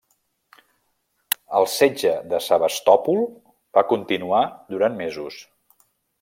El setge de Sebastòpol va continuar durant mesos.